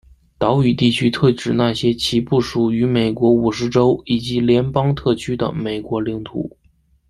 岛屿地区特指那些其不属于美国五十州以及联邦特区的美国领土。